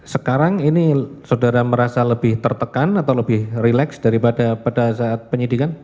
sekarang ini saudara merasa lebih tertekan atau lebih rileks daripada pada saat penyidikan